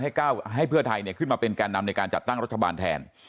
ให้เพื่อไทยขึ้นมาเป็นแก่นำในการจัดตั้งรัฐบาลแทน